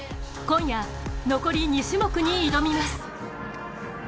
今夜、残り２種目に挑みます。